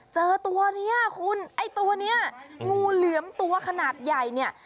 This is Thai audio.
เจอตัวเนี่ยคุณไอ้ตัวนี้งูเหลือมตัวขนาดใหญ่เนี่ย